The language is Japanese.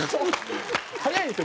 早いんですよ